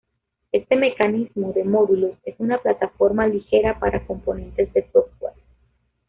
Este mecanismo de módulos es una plataforma ligera para componentes de software.